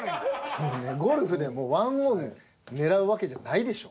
ゴルフでも１オン狙うわけじゃないでしょ？